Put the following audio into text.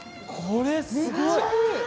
これすごい！